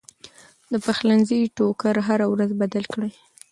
د پخلنځي ټوکر هره ورځ بدل کړئ.